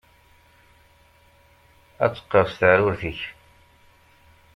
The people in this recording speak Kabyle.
Ad teqqerṣ teɛrurt-ik.